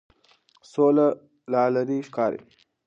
سوله لا لرې ښکاري.